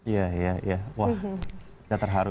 ya ya ya wah jadi terharu